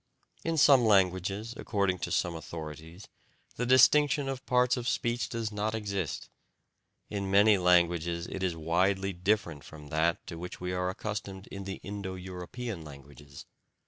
In some languages, according to some authorities, the distinction of parts of speech does not exist; in many languages it is widely different from that to which we are accustomed in the Indo European languages.